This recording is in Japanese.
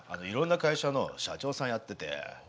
いろんな会社の社長さんやってて。